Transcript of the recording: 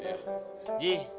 siapa dia ji